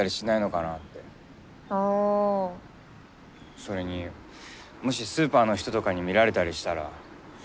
それにもしスーパーの人とかに見られたりしたら。